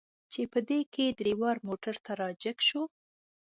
چې په دې کې ډریور موټر ته را جګ شو.